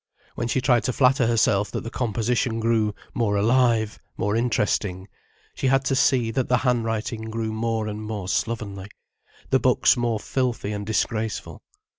When she tried to flatter herself that the composition grew more alive, more interesting, she had to see that the handwriting grew more and more slovenly, the books more filthy and disgraceful.